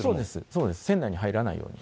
そうです、船内に入らないように。